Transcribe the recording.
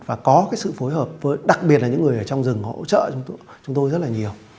và có cái sự phối hợp với đặc biệt là những người ở trong rừng hỗ trợ chúng tôi rất là nhiều